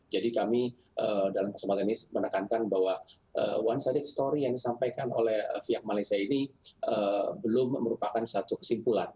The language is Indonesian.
jadi kami dalam kesempatan ini menekankan bahwa one sided story yang disampaikan oleh pihak malaysia ini belum merupakan satu kesimpulan